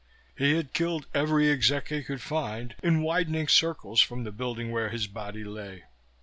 He had killed every exec he could find, in widening circles from the building where his body lay.